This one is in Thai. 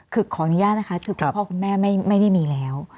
คือขออนุญาตนะคะคือคุณพ่อคุณแม่ไม่ได้มีแล้ว